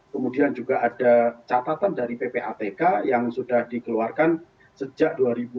kemudian juga ada catatan dari ppatk yang sudah dikeluarkan sejak dua ribu dua puluh